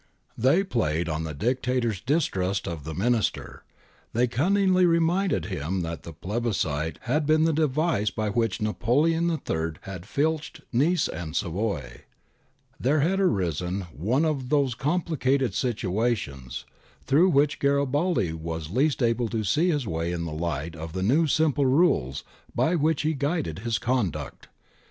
They played on the Dictator's distrust of the Minister. They cunningly reminded him that the plebiscite had been the device by which Napoleon III > Dt Ctsart, ii. 142 144. NAPLES ASKS IMMEDIATE ANNEXATION 265 had filched Nice and Savoy. There had arisen one of those complicated situations through which Garibaldi was least able to see his way in the light of the few simple rules by which he guided his conduct.